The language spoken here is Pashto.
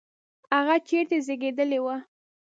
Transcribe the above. هغه چیرته زیږېدلی و؟